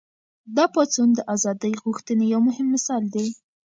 دا پاڅون د ازادۍ غوښتنې یو مهم مثال دی.